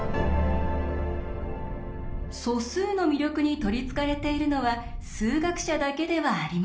素数の魅力に取りつかれているのは数学者だけではありません。